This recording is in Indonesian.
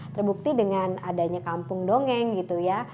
terbukti dengan adanya kampung dongeng gitu ya